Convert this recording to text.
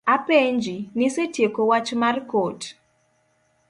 Apenji, nisetieko wach mar kot?